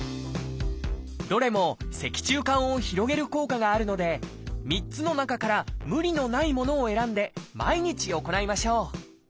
どれも脊柱管を広げる効果があるので３つの中から無理のないものを選んで毎日行いましょう。